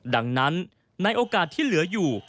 ดังนั้นในโอกาสที่เหลืออยู่